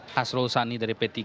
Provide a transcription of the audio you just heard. hasrul sani dari p tiga